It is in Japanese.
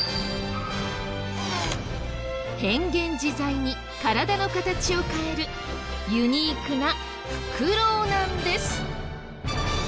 変幻自在に体の形を変えるユニークなフクロウなんです。